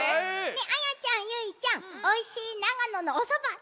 ねえあやちゃんゆいちゃんおいしい長野のおそばたべにいこう。